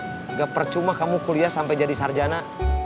tidak percuma kamu kuliah sampai jadi sarjana